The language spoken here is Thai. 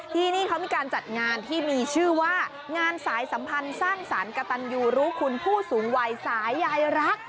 ที่นี่เขามีการจัดงานที่มีชื่อว่างานสายสัมพันธ์สร้างสรรค์กระตันยูรู้คุณผู้สูงวัยสายยายรัก